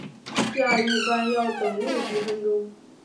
下一班要等六十分钟